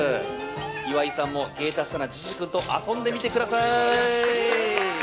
岩井さんも芸達者なジジ君と遊んでみてください！